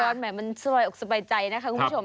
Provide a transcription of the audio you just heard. แล้วมันอุดสบายใจนะคะคุณผู้ชม